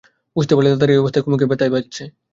বুঝতে পারলে দাদার এই অবস্থায় কুমুকে ব্যথাই বাজছে।